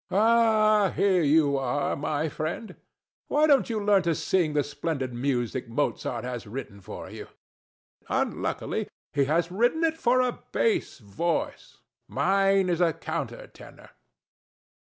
Ah, here you are, my friend. Why don't you learn to sing the splendid music Mozart has written for you? THE STATUE. Unluckily he has written it for a bass voice. Mine is a counter tenor.